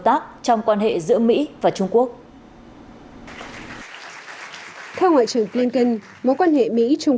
tác trong quan hệ giữa mỹ và trung quốc theo ngoại trưởng blinken mối quan hệ mỹ trung